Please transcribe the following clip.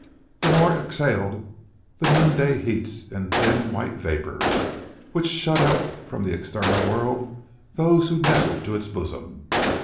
The moor exhaled the noonday heats in thin white vapour, which shut out from the external world those who nestled to its bosom.